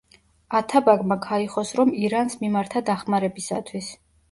ათაბაგმა ქაიხოსრომ ირანს მიმართა დახმარებისათვის.